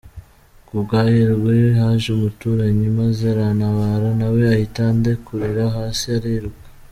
Kubw’ahirwe haje umuturanyi maze arantabara nawe ahita andekurira hasi ariruka.